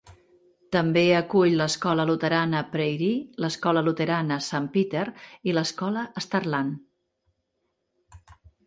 També acull l'escola luterana Prairie, l'escola luterana Sant Peter i l'escola Starland.